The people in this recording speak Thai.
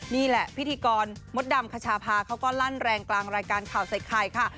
นี่แหละพิธีกรมดดำคชาพาเขาก็ลั่นแรงกลางรายการข่าวใส่ไข่ค่ะ